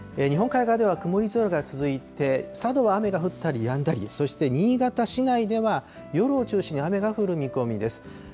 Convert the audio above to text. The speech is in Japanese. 日本海側では曇り空が続いて、佐渡は雨が降ったりやんだり、そして新潟市内では、夜を中心に雨が降る見込みです。